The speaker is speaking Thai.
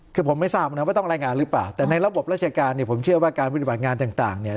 คือผมไม่ทราบนะว่าต้องรายงานหรือเปล่าแต่ในระบบราชการเนี่ยผมเชื่อว่าการปฏิบัติงานต่างเนี่ย